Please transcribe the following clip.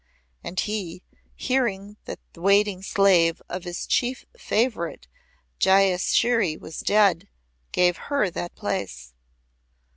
And he, hearing that the Waiting slave of his chief favorite Jayashri was dead, gave her that place.